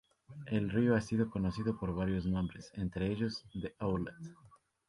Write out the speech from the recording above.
El río ha sido conocido por varios nombres, entre ellos "the outlet".